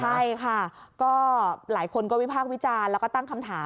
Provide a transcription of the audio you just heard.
ใช่ค่ะก็หลายคนก็วิภาควิจารณ์